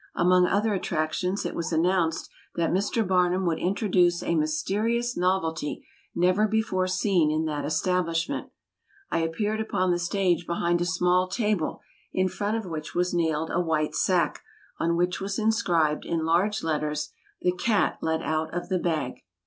Among other attractions, it was announced that Mr. Barnum would introduce a mysterious novelty never before seen in that establishment. I appeared upon the stage behind a small table, in front of which was nailed a white sack, on which was inscribed, in large letters, "The cat let out of the bag."